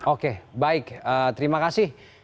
oke baik terima kasih